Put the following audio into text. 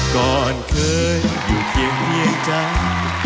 ก่อนเคยอยู่เคียงเวียงจันทน์